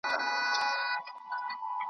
د شېطاني او کمترۍ احساس ته ټېل وهي